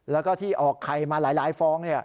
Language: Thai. แล้วก็ที่ออกไข่มาหลายฟอง